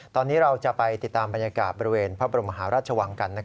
ตอนนี้เราจะไปติดตามบรรยากาศบริเวณพระบรมหาราชวังกัน